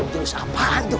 terus apaan tuh